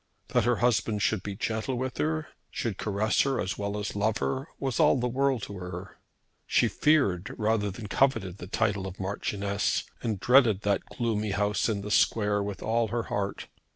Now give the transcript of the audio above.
That her husband should be gentle with her, should caress her as well as love her, was all the world to her. She feared rather than coveted the title of Marchioness, and dreaded that gloomy house in the Square with all her heart.